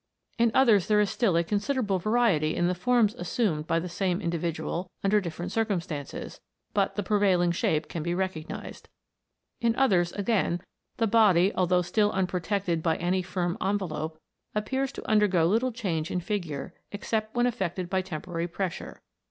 In others, there is still a considerable variety in the forms assumed by the same individual under different circumstances, but the prevailing shape can be re cognised. In others, again, the body, although still unprotected by any firm envelope, appears to undergo little change in figure, except when affected by temporary pressure.